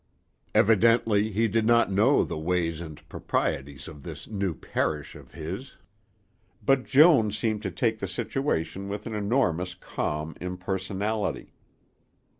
Evidently he did not know the ways and proprieties of this new "parish" of his. But Joan seemed to take the situation with an enormous calm impersonality.